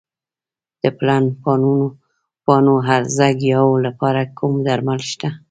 د پلن پاڼو هرزه ګیاوو لپاره کوم درمل شته؟